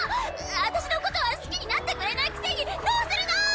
私のことは好きになってくれないくせにどうするの！